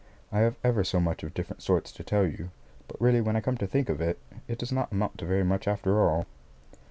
I have ever so much of different sorts to tell you, but really when I come to think of it, it does not amount to very much after all.